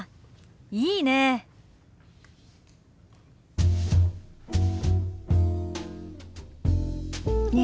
いいねえ。